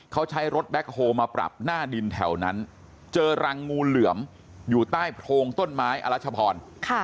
เขาใช้รถแบ็คโฮลมาปรับหน้าดินแถวนั้นเจอรังงูเหลือมอยู่ใต้โพรงต้นไม้อรัชพร